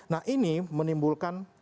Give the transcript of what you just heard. nah ini menimbulkan